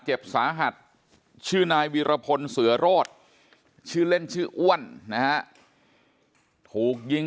เจ็บสาหัสชื่อนายวีรพลเสือโรธชื่อเล่นชื่ออ้วนนะฮะถูกยิง